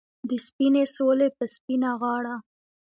د سپینې سولې په سپینه غاړه